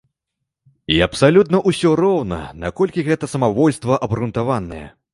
І абсалютна ўсё роўна, наколькі гэта самавольства абгрунтаванае.